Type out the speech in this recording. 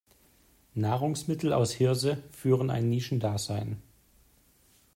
Nahrungsmittel aus Hirse führen ein Nischendasein.